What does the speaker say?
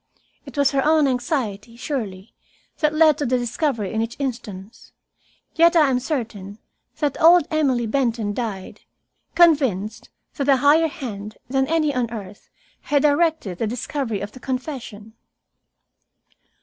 It was her own anxiety, surely, that led to the discovery in each instance, yet I am certain that old Emily Benton died, convinced that a higher hand than any on earth had directed the discovery of the confession.